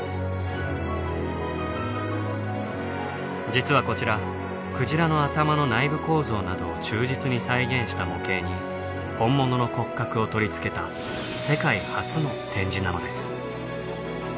実はこちらクジラの頭の内部構造などを忠実に再現した模型に本物の骨格を取り付けた世界初の展示なのです。